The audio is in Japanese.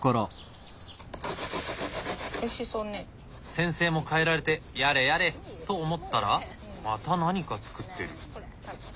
先生も帰られてやれやれと思ったらまた何か作ってる。